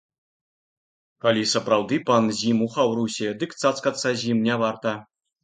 Калі сапраўды пан з ім у хаўрусе, дык цацкацца з ім не варта.